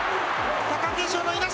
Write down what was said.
貴景勝のいなし。